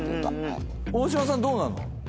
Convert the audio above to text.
大島さんどうなの？